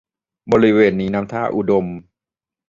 บริเวณนี้น้ำท่าอุดม